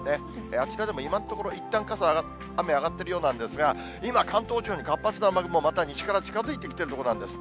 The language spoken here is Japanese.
あちらでも今のところ、いったん、雨上がっているようなんですけれども、今、関東地方に活発な雨雲、また西から近づいてきているところなんです。